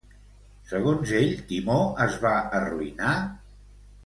Segons ell, Timó es va arruïnar?